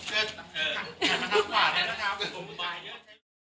ขอบคุณครับ